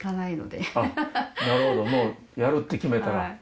なるほどもうやるって決めたら。